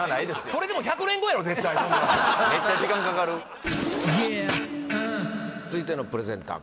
それでもめっちゃ時間かかる続いてのプレゼンター